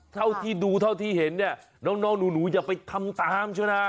เท่าที่ดูเท่าที่เห็นเนี่ยน้องหนูอย่าไปทำตามใช่ไหม